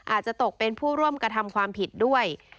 อาจจะตกเป็นผู้ร่วมกระทำความผิดด้วย